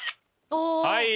はい！